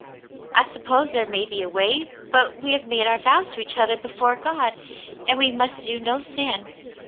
I suppose there may be a way, but we have made our vows to each other before God, and we must do no sin.